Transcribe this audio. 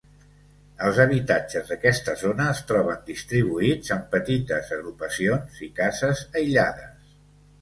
Els habitatges d'aquesta zona es troben distribuïts en petites agrupacions i cases aïllades.